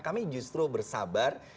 kami justru bersabar